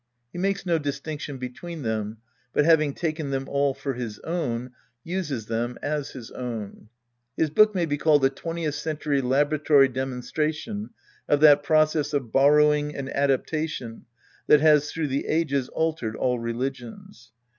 He makes no distinction between , them, but having taken them all for his own, uses them as his own. His book may be called a twentieth century labora tory demonstration of that process of borrowing and adaptation that has through the ages altered all religions.